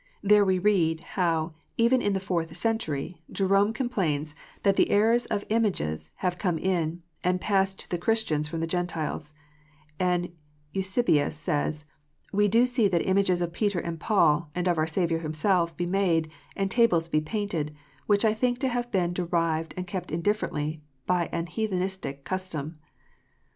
There we read, how, even in the FOURTH CENTURY, Jerome complains "that the errors of images have come in, and passed to the Christians from the Gentiles ;" and Eusebius says, "We do see that images of Peter and Paul, and of our Saviour Himself, be made, and tables be painted, which I think to have been derived and kept indifferently by an heathenish custom."